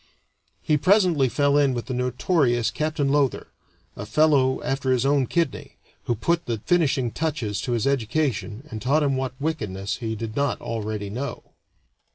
He presently fell in with the notorious Captain Lowther, a fellow after his own kidney, who put the finishing touches to his education and taught him what wickedness he did not already know.